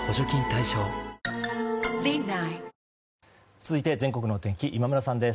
続いて全国のお天気今村さんです。